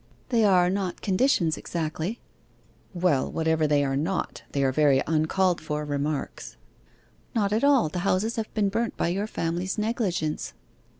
'They are not conditions exactly.' 'Well, whatever they are not, they are very uncalled for remarks.' 'Not at all the houses have been burnt by your family's negligence.